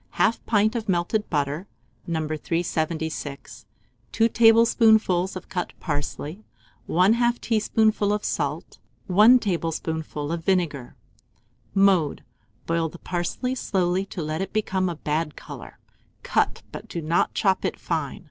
1/2 pint of melted butter, No. 376, 2 tablespoonfuls of cut parsley, 1/2 teaspoonful of salt, 1 tablespoonful of vinegar. Mode. Boil the parsley slowly to let it become a bad colour; cut, but do not chop it fine.